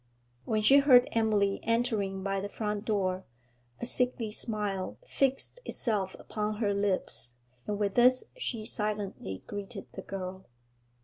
When she heard Emily entering by the front door, a sickly smile fixed itself upon her lips, and with this she silently greeted the girl.